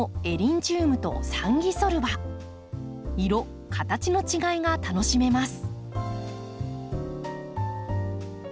色形の違いが楽しめます。